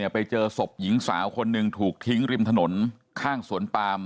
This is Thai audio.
ไปเจอศพหญิงสาวคนหนึ่งถูกทิ้งริมถนนข้างสวนปาม